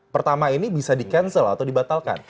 pertama ini bisa di cancel atau dibatalkan